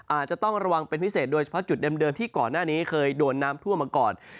อาจจะต้องระวังเป็นพิเศษโดยเฉพาะจุดเดิมที่ก่อนหน้านี้เคยโดนน้ำท่วมมาก่อน